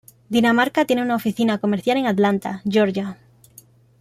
Dinamarca tiene una oficina comercial en Atlanta, Georgia.